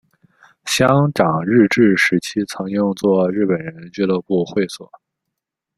香港日治时期曾用作日本人俱乐部会所。